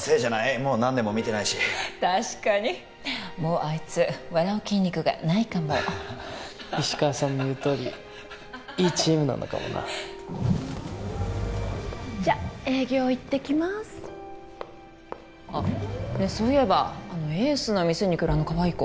もう何年も見てないし確かにもうあいつ笑う筋肉がないかも石川さんの言うとおりいいチームなのかもなじゃ営業行ってきますあっねっそういえばあのエースの店に来るあのカワイイ子